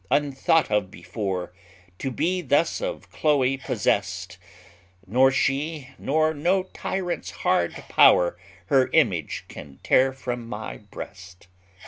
unthought of before, To be thus of Chloe possess'd; Nor she, nor no tyrant's hard power, Her image can tear from my breast.